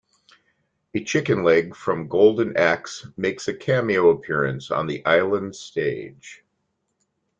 A chicken-leg from Golden Axe makes a cameo appearance on the Island stage.